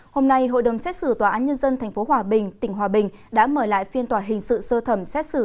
hôm nay hội đồng xét xử tòa án nhân dân tp hòa bình tỉnh hòa bình đã mở lại phiên tòa hình sự sơ thẩm xét xử